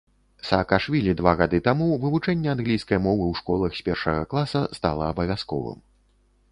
Саакашвілі два гады таму вывучэнне англійскай мовы ў школах з першага класа стала абавязковым.